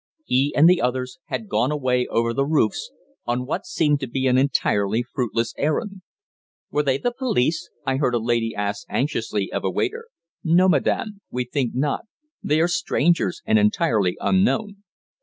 He and the others had gone away over the roofs, on what seemed to be an entirely fruitless errand. "Were they the police?" I heard a lady ask anxiously of a waiter. "No, madame, we think not. They are strangers and entirely unknown."